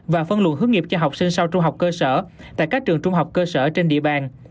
và phân luận hướng nghiệp cho học sinh sau trung học cơ sở tại các trường trung học cơ sở trên địa bàn